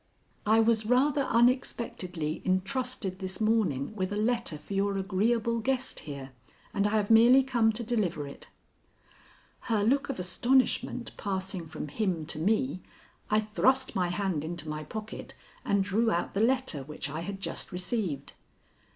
"I was rather unexpectedly intrusted this morning with a letter for your agreeable guest here, and I have merely come to deliver it." Her look of astonishment passing from him to me, I thrust my hand into my pocket and drew out the letter which I had just received.